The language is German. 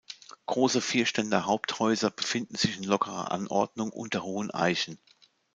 Große Vierständer-Haupthäuser befinden sich in lockerer Anordnung unter hohen Eichen.